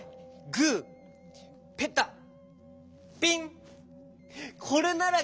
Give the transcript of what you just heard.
グー・ペタ・ピン！